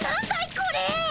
これ。